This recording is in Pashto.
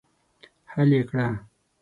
حل یې کړه.